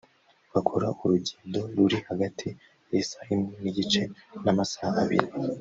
bakora urugendo ruri hagati y’isaha imwe n’igice n’amasaha abiri